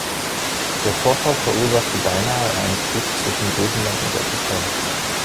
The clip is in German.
Der Vorfall verursachte beinahe einen Krieg zwischen Griechenland und der Türkei.